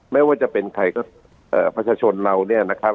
ไม่ว่าจะเป็นใครก็เอ่อประชาชนเราเนี่ยนะครับ